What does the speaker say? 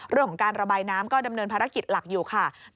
เรื่องของการระบายน้ำก็ดำเนินภารกิจหลักอยู่ค่ะ